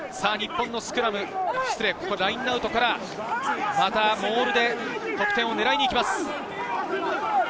日本のスクラム、失礼、ここはラインアウトから、またモールで得点を狙いにいきます。